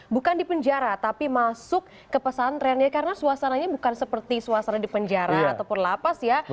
bukan di penjara tapi masuk ke pesantren ya karena suasananya bukan seperti suasana di penjara ataupun lapas ya